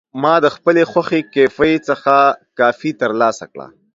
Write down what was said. ما د خپلې خوښې کیفې څخه کافي ترلاسه کړه.